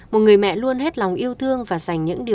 một người mẹ luôn hết lòng yêu thương